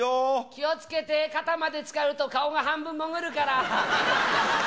気をつけて、肩までつかると、顔が半分潜るから。